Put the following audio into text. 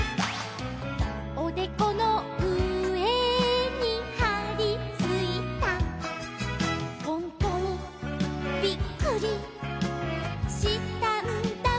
「おでこのうえにはりついた」「ほんとにびっくりしたんだもん」